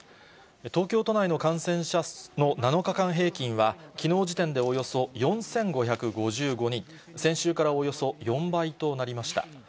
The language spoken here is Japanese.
東京都内の感染者の７日間平均はきのう時点でおよそ４５５５人、先週からおよそ４倍となりました。